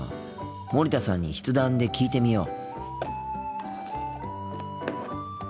森田さんに筆談で聞いてみよう。